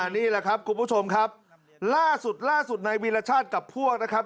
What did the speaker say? นี่แหละครับคุณผู้ชมครับล่าสุดล่าสุดในวีรชาติกับพวกนะครับ